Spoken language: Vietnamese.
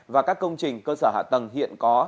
và các công trình cơ sở hạ tầng hiện có